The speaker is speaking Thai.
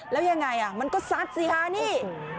แล้วยังไงมันก็ซัดสิคะนี่